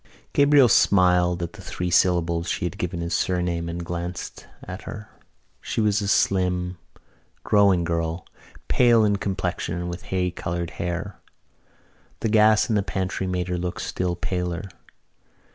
Gabriel smiled at the three syllables she had given his surname and glanced at her. She was a slim, growing girl, pale in complexion and with hay coloured hair. The gas in the pantry made her look still paler.